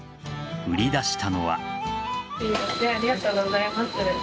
売り出したのは。